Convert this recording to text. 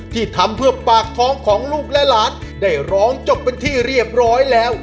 ที่ทำเพื่อปากท้องของลูกและหลานได้ร้องจบเป็นที่เรียบร้อยแล้ว